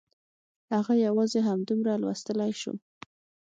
هغه یوازې همدومره لوستلی شو